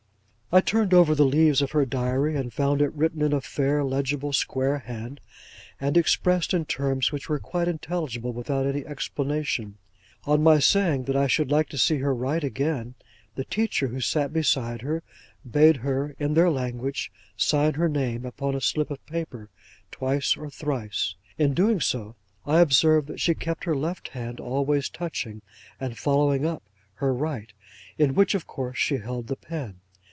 I turned over the leaves of her Diary, and found it written in a fair legible square hand, and expressed in terms which were quite intelligible without any explanation. On my saying that I should like to see her write again, the teacher who sat beside her, bade her, in their language, sign her name upon a slip of paper, twice or thrice. In doing so, I observed that she kept her left hand always touching, and following up, her right, in which, of course, she held the pen.